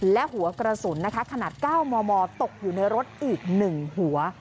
และหัวกระสุนนะคะขนาด๙มมตกอยู่ในรถอีก๑หัว